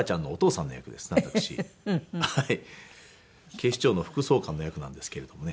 警視庁の副総監の役なんですけれどもね。